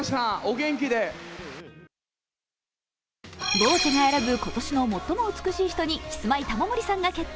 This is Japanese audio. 「ＶｏＣＥ」が選ぶ今年の最も美しい人にキスマイ・玉森さんが決定。